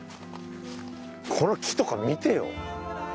この木とか見てよ。